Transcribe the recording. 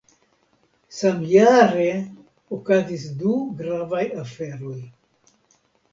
Samjare okazis du gravaj aferoj.